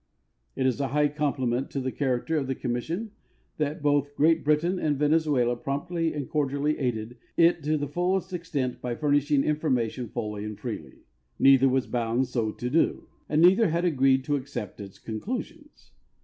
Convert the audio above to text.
It is a high compHment to the character of the commission that both Great Britain and Venezuela promptly and cordialh' aided it to the fullest extent by furnishing information fully and freely. Neither was bound so to do, and neither had agreed to accept its conclusions.